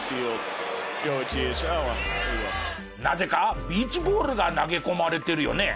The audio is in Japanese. なぜかビーチボールが投げ込まれてるよね。